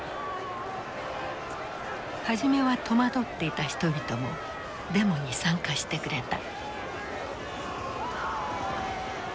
初めは戸惑っていた人々もデモに参加してくれた。